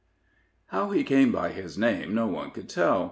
How he came by his name, no one could tell.